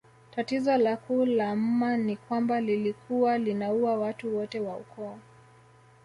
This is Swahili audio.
Tatizo la kuu la mma ni kwamba lilikuwa linaua watu wote wa ukoo